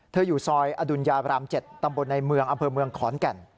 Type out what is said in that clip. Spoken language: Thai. อยู่ซอยอดุญญาบราม๗ตำบลในเมืองอำเภอเมืองขอนแก่น